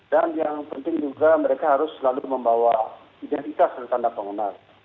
dan yang penting juga mereka harus selalu membawa identitas dan tanda pengenal